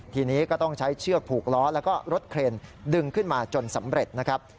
ทีนี้ก็ต้องใช้เชือกผูกล้อแล้วก็รถเครนดึงขึ้นมาจนสำเร็จนะครับ